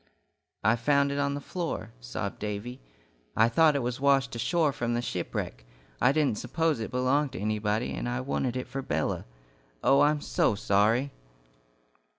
"I found it on the floor," sobbed Davy. "I thought it was washed ashore from the shipwreck. I didn't suppose it belonged to anybody, and I wanted it for Bella. Oh, I'm so sorry."